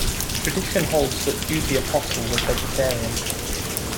Tradition holds that Jude the Apostle was vegetarian.